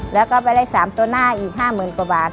แล้วก็ไปได้๓ตัวหน้าอีก๕๐๐๐กว่าบาท